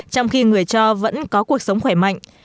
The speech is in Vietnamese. trong khi người cho vẫn có cuộc sống khỏe mạnh